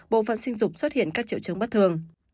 bộ phận sinh dục xuất hiện các triệu chứng bất thường